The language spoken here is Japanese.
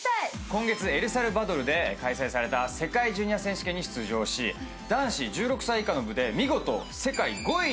今月エルサルバドルで開催された世界ジュニア選手権に出場し男子１６歳以下の部で見事世界５位に輝きました。